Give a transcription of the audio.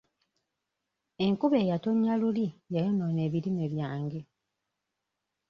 Enkuba eyatonnya luli yayonoona ebirime byange.